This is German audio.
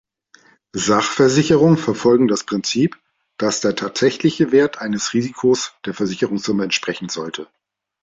Sachversicherungen verfolgen das Prinzip, dass der tatsächliche Wert eines Risikos der Versicherungssumme entsprechen sollte.